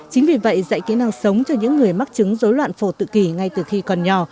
chính vì vậy dạy kỹ năng sống cho những người mắc chứng dối loạn phổ tự kỷ ngay từ khi còn nhỏ